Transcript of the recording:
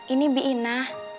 ini bi ina